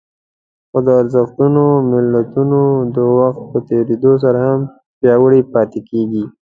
خو د ارزښتونو ملتونه د وخت په تېرېدو سره هم پياوړي پاتې کېږي.